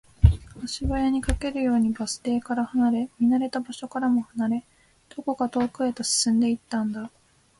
足早に、駆けるようにバス停から離れ、見慣れた場所からも離れ、どこか遠くへと進んでいったんだ